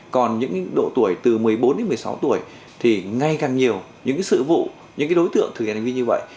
còn những độ tuổi từ một mươi bốn đến một mươi sáu tuổi thì ngay càng nhiều những sự vụ những đối tượng thực hiện hành vi như vậy